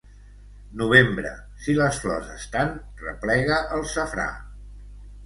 Novembre, si les flors estan, replega el safrà.